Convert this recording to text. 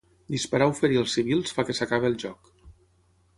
Disparar o ferir als civils, fa que s'acabe el joc.